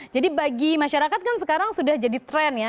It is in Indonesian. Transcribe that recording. jadi bagi masyarakat kan sekarang sudah jadi trend